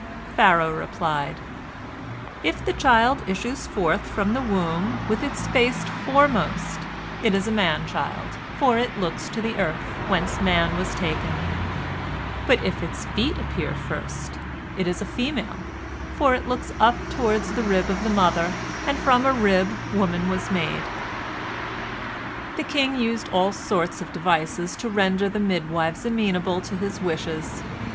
Pharaoh replied: "If the child issues forth from the womb with its face foremost, it is a man child, for it looks to the earth, whence man was taken; but if its feet appear first, it is a female, for it looks up toward the rib of the mother, and from a rib woman was made." The king used all sorts of devices to render the midwives amenable to his wishes.